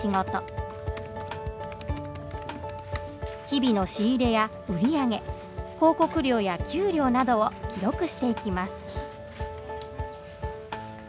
日々の仕入れや売り上げ広告料や給料などを記録していきます。